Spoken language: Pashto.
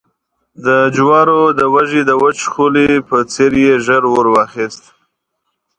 د جوارو د وږي د وچ شخولي په څېر يې ژر اور واخیست